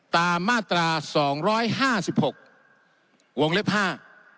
มาตราสองร้อยห้าสิบหกวงเล็บห้า